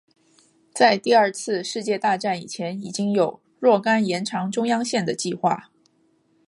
在第二次世界大战以前已经有若干延长中央线的计划。